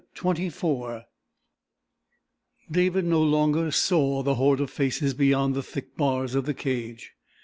CHAPTER XXIV David no longer saw the horde of faces beyond the thick bars of the cage.